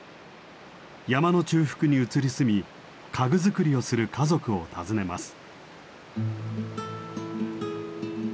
山の中腹に移り住み家具作りをする家族を訪ねます。